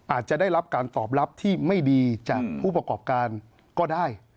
อาจจะได้รับการตอบรับที่ไม่ดีจากผู้ประกอบการก็ได้